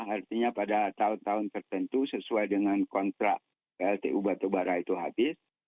artinya pada tahun tahun tertentu sesuai dengan kontrak pltu batubara itu habis